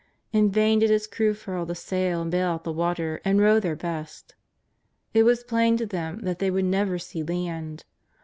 In vain did its crew furl the sail and bale out the water and row their best. It was plain to them that thej would never see land.